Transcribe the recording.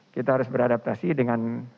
kita harus beradaptasi dengan